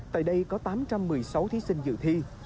tại đây có tám trăm một mươi sáu thí sinh dự thi